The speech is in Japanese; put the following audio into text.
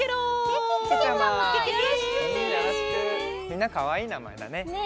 みんなかわいいなまえだね。